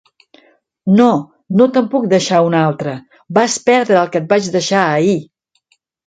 No, no te'n puc deixar un altre. Vas perdre el que et vaig deixar ahir!